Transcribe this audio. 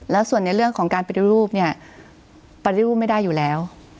แล้วส่วนในเรื่องของการปฏิรูปเนี่ยปฏิรูปไม่ได้อยู่แล้ว